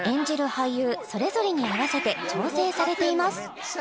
俳優それぞれに合わせて調整されています